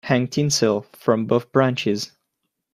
Hang tinsel from both branches.